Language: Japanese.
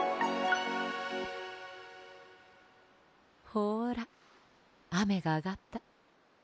ほらあめがあがった。